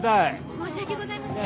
申し訳ございません。